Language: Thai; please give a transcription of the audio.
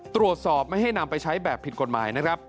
ตรวจสอบไม่ให้นำไปใช้แบบผิดกฎหมายนะครับ